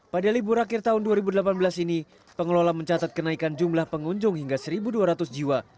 pada libur akhir tahun dua ribu delapan belas ini pengelola mencatat kenaikan jumlah pengunjung hingga satu dua ratus jiwa